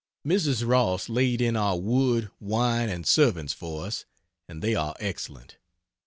Mrs. Ross laid in our wood, wine and servants for us, and they are excellent.